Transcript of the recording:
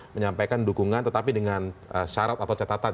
menyampaikan dukungan tetapi dengan syarat atau catatan